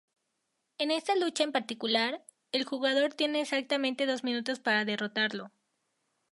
En esta lucha en particular, el jugador tiene exactamente dos minutos para derrotarlo.